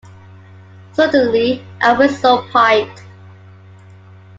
Suddenly a whistle piped.